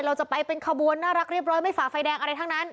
เราจะไปเป็นขบวนน่ารักเรียบร้อยไม่ฝ่าไฟแดงอะไรทั้งนั้น